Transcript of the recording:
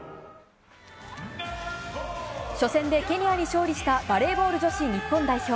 初戦でケニアに勝利した、バレーボール女子日本代表。